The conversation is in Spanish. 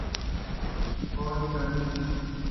Kohei Nakashima